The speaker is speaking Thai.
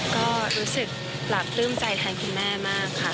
ก็รู้สึกหลับปลื้มใจแทนคุณแม่มากค่ะ